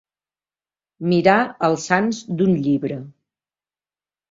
Mirar els sants d'un llibre.